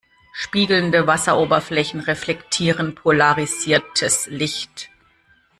Spiegelnde Wasseroberflächen reflektieren polarisiertes Licht.